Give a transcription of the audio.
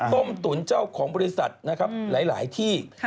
ป้มตุ๋นเจ้าของบริษัทหลายที่